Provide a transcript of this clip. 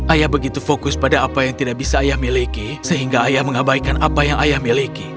ayah begitu fokus pada apa yang tidak bisa ayah miliki sehingga ayah mengabaikan apa yang ayah miliki